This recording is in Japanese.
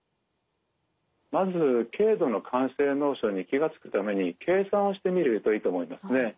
まず軽度の肝性脳症に気が付くために計算をしてみるといいと思いますね。